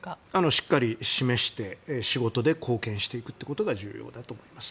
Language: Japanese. しっかり示して仕事で貢献していくことが重要だと思います。